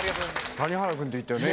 谷原君って言ったよね